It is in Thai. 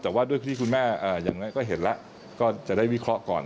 แต่ว่าด้วยที่คุณแม่อย่างน้อยก็เห็นแล้วก็จะได้วิเคราะห์ก่อน